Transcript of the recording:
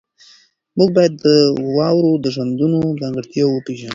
موږ باید د دواړو ژوندونو ځانګړتیاوې وپېژنو.